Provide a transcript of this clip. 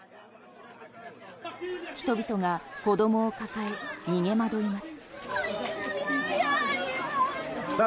人々が子供を抱え逃げまどいます。